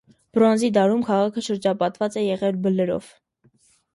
Բրոնզի դարում քաղաքը շրջապատված է եղել բլրով։